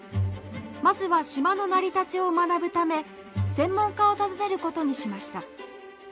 まずは島の成り立ちを学ぶため専門家を訪ねることにしました。